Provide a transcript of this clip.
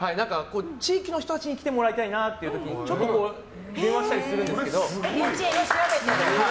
地域の人たちに来てもらいたいなっていう時ちょっと電話したりするんですけど。